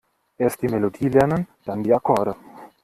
Erst die Melodie lernen, dann die Akkorde.